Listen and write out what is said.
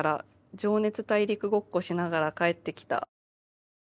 「情熱大陸ごっこしながら帰ってきた」